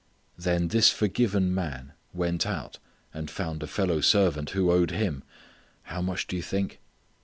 Then this forgiven man went out and found a fellow servant who owed him how much do you think?